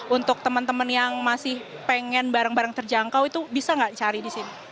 untuk teman teman yang masih pengen barang barang terjangkau itu bisa nggak cari di sini